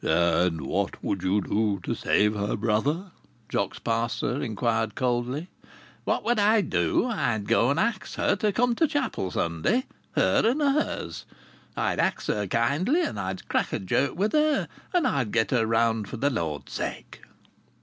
"And what would you do to save her, brother?" Jock's pastor inquired coldly. "What would I do? I'd go and axe her to come to chapel Sunday, her and hers. I'd axe her kindly, and I'd crack a joke with her. And I'd get round her for the Lord's sake."